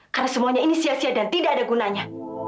karena semuanya ini sia sia dan tidak ada gunanya